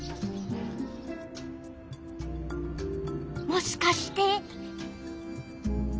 もしかして？